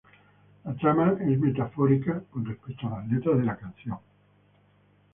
La trama es metafórica con respecto a la letra de la canción.